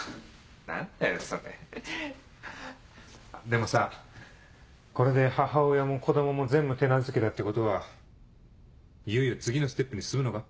でもさこれで母親も子供も全部手なずけたってことはいよいよ次のステップに進むのか？